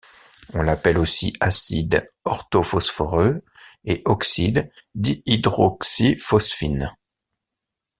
On l'appelle aussi acide orthophosphoreux et oxyde dihydroxyphosphine.